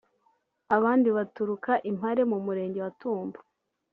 abandi baturuka i Mpare (Mu Murenge wa Tumba)